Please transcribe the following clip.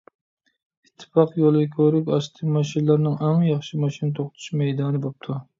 ئىتتىپاق يولى كۆۋرۈك ئاستى ماشىنىلارنىڭ ئەڭ ياخشى ماشىنا توختىتىش مەيدانى بوپتۇ.